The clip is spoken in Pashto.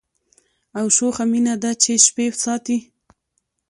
او شوخه مینه ده چي شپې ساتي